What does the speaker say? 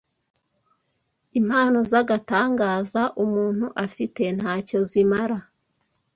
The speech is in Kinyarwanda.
impano z’agatangaza umuntu afite ntacyo zimara